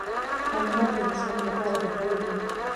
حیوانات د انسان لپاره ګټور دي.